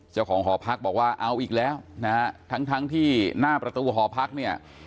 เจ้าของหอพักบอกว่าเอาอีกแล้วนะฮะทั้งทั้งที่หน้าประตูหอพักเนี่ย